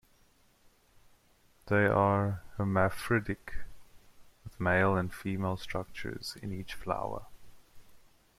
They are hermaphroditic, with male and female structures in each flower.